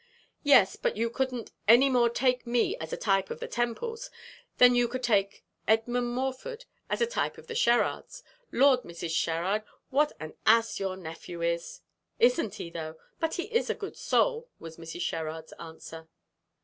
"Yes, but you couldn't any more take me as a type of the Temples than you could take Edmund Morford as a type of the Sherrards. Lord, Mrs. Sherrard, what an ass your nephew is!" "Isn't he, though? But he is a good soul," was Mrs. Sherrard's answer.